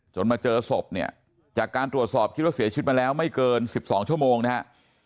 มาเจอศพเนี่ยจากการตรวจสอบคิดว่าเสียชีวิตมาแล้วไม่เกิน๑๒ชั่วโมงนะฮะ